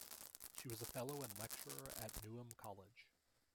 She was a Fellow and lecturer at Newnham College.